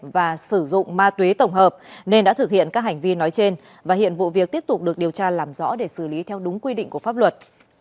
và sử dụng ma túy tổng hợp nên đã thực hiện các hành vi nói trên và hiện vụ việc tiếp tục được điều tra làm rõ để xử lý theo đúng quy định của pháp luật